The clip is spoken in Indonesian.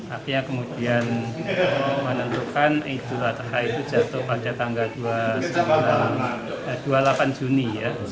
artinya kemudian menentukan idul adha itu jatuh pada tanggal dua puluh delapan juni ya